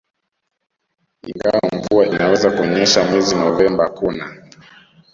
ingawa mvua inaweza kunyesha mwezi Novemba Kuna